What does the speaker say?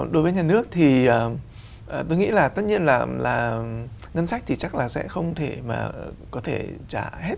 đối với nhà nước thì tôi nghĩ là tất nhiên là ngân sách thì chắc là sẽ không thể mà có thể trả hết